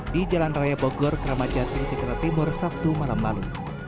di jalan raya bogor kramajati jakarta timur sabtu malam lalu